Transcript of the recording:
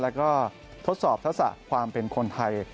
แล้วก็ทดสอบทักษะความเป็นคนไทย